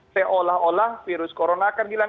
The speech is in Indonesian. seolah olah virus corona akan hilang